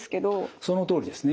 そのとおりですね。